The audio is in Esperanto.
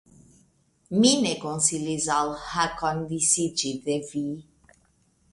Mi ne konsilis al Hakon disiĝi de vi!